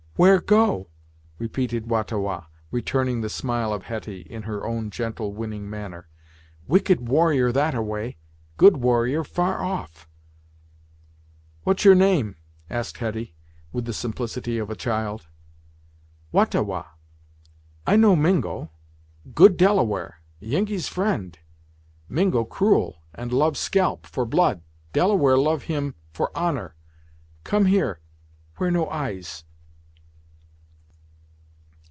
"Where go? " repeated Wah ta Wah, returning the smile of Hetty, in her own gentle, winning, manner "wicked warrior that a way good warrior, far off." "What's your name?" asked Hetty, with the simplicity of a child. "Wah ta Wah. I no Mingo good Delaware Yengeese friend. Mingo cruel, and love scalp, for blood Delaware love him, for honor. Come here, where no eyes."